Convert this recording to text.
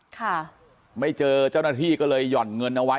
ค่ะไม่เจอเจ้าหน้าที่ก็เลยหย่อนเงินเอาไว้